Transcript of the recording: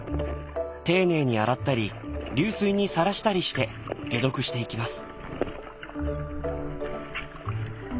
丁寧に洗ったり流水にさらしたりして解毒していきます。